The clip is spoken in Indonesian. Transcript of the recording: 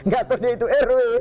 gak tau dia itu rw